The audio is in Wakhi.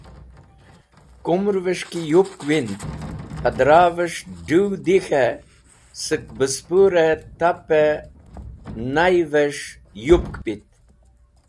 Kumrẽves̃h ki yup wind hadravẽs̃h dũw di k̃hẽ sẽk bẽspũrẽ tapẽ nayvẽs̃h yupk pit